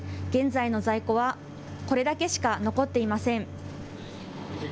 現在の在庫は、これだけしか残っていません。